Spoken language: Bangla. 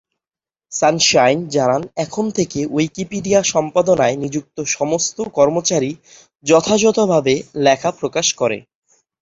সানশাইন জানান এখন থেকে উইকিপিডিয়া সম্পাদনায় নিযুক্ত সমস্ত কর্মচারী যথাযথভাবে লেখা প্রকাশ করে।